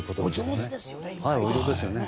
お上手ですよね。